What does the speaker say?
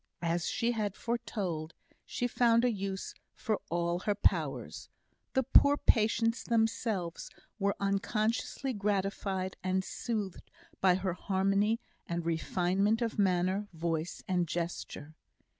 As she had foretold, she found a use for all her powers. The poor patients themselves were unconsciously gratified and soothed by her harmony and refinement of manner, voice, and gesture.